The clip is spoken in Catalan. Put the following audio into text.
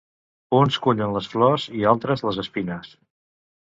Uns cullen les flors i altres les espines.